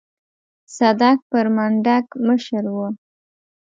صدک پر منډک مشر و.